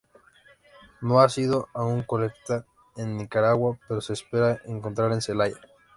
No ha sido aún colectada en Nicaragua, pero se espera encontrar en Zelaya.